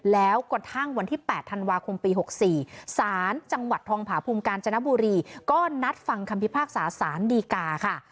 แล้วกระทั่งวันที่๘ธันวาคมปี๖๔สารจังหวัดทองผาภูมิกาญจนบุรีก็นัดฟังคำพิพากษาสารดีกาค่ะ